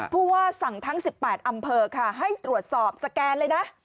ผู้ว่าสั่งทั้ง๑๘อำเภอค่ะให้ตรวจสอบสแกนเลยนะ